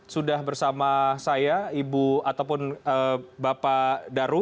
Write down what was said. sudah bersama saya ibu ataupun bapak daru